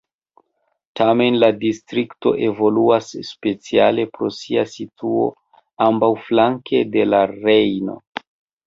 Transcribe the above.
Tamen la distrikto evoluas speciale pro sia situo ambaŭflanke de la Rejno.